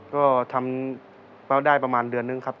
ก็ทำได้ประมาณเดือนหนึ่งครับ